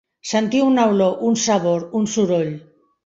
Sentir una olor, un sabor, un soroll.